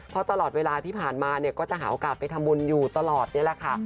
เพราะตลอดเวลาที่ผ่านมาเนี่ยก็จะหาโอกาสไปทำบุญอยู่ตลอดนี่แหละค่ะ